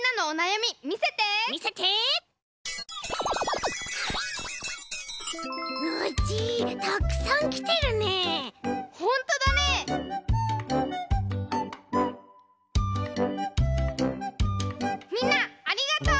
みんなありがとう！